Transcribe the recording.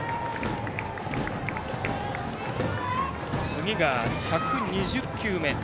次が１２０球目。